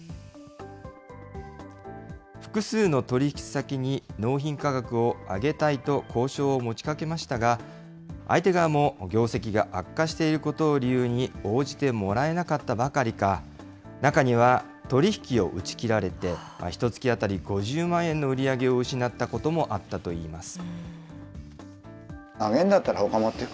複数の取り引き先に納品価格を上げたいと交渉をもちかけましたが、相手側も業績が悪化していることを理由に応じてもらえなかったばかりか、中には、取り引きを打ち切られて、ひとつき当たり５０万円の売り上げを失ったこともあったといいます。